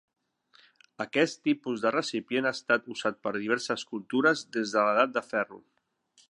Aquest tipus de recipient ha estat usat per diverses cultures des de l'edat de ferro.